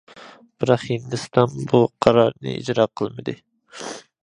بىراق، ھىندىستان بۇ قارارنى ئىجرا قىلمىدى.